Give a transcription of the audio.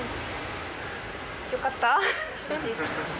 よかった。